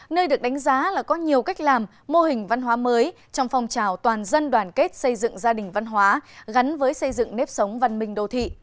nơi được đánh giá là có nhiều cách làm mô hình văn hóa mới trong phong trào toàn dân đoàn kết xây dựng gia đình văn hóa gắn với xây dựng nếp sống văn minh đô thị